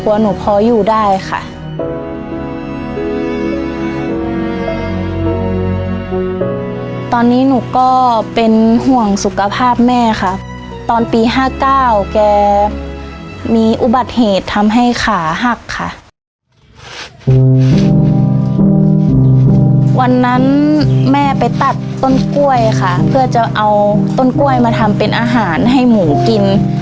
วันนั้นแม่ไปตัดต้นกล้วยค่ะเพื่อจะเอาต้นกล้วยมาทำเป็นอาหารให้หมูกิน